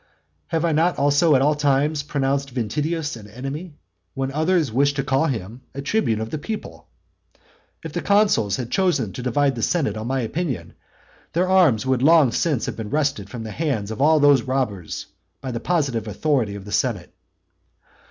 Have not I also at all times pronounced Ventidius an enemy, when others wished to call him a tribune of the people? If the consuls had chosen to divide the senate on my opinion, their arms would long since have been wrested from the hands of all those robbers by the positive authority of the senate.